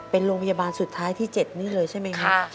เป็นโรงพยาบาลสุดท้ายที่๗นี่เลยใช่ไหมครับ